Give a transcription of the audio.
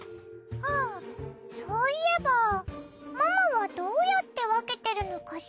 あそういえばママはどうやって分けてるのかしら？